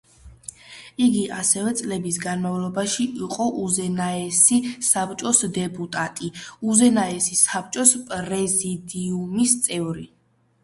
იგი ასევე, წლების განმავლობაში იყო უზენაესი საბჭოს დეპუტატი, უზენაესი საბჭოს პრეზიდიუმის წევრი.